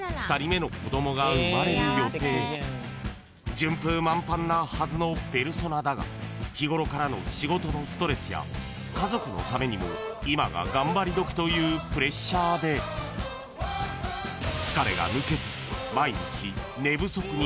［順風満帆なはずのペルソナだが日ごろからの仕事のストレスや家族のためにも今が頑張りどきというプレッシャーで疲れが抜けず毎日］